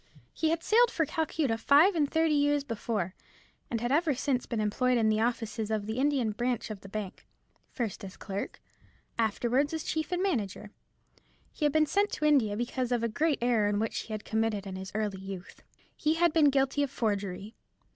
He had sailed for Calcutta five and thirty years before, and had ever since been employed in the offices of the Indian branch of the bank; first as clerk, afterwards as chief and manager. He had been sent to India because of a great error which he had committed in his early youth. He had been guilty of forgery.